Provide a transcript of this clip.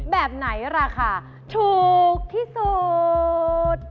แบบไหนราคาถูกที่สุด